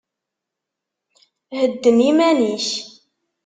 Hedden iman-ik!